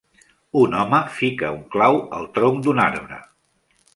Un home fica un clau al tronc d"un arbre.